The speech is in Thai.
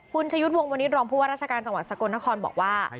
คุณชยุทธ์วงวันนี้รองผู้ว่าราชการจังหวัดสกลนครบอกว่า